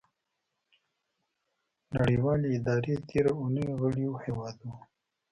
نړیوالې ادارې تیره اونۍ غړیو هیوادو